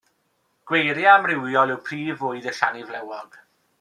Gweiriau amrywiol yw prif fwyd y siani flewog.